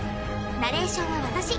ナレーションは私